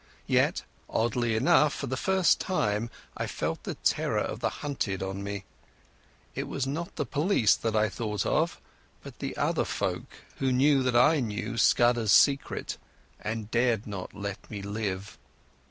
Yet, oddly enough, for the first time I felt the terror of the hunted on me. It was not the police that I thought of, but the other folk, who knew that I knew Scudder's secret and dared not let me live.